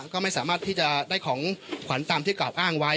ก็ไม่สามารถที่จะได้ของขวัญตามที่กล่าวอ้างไว้